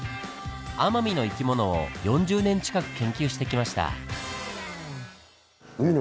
奄美の生き物を４０年近く研究してきました。